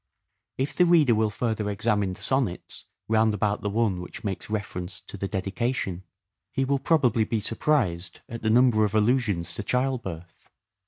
If the reader will further examine the sonnets round about the one which makes reference to the " dedication " he will probably be surprised at the number of allusions to childbirth.